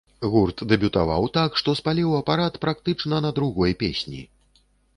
Гурт дэбютаваў так, што спаліў апарат практычна на другой песні.